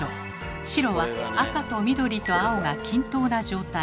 白は赤と緑と青が均等な状態。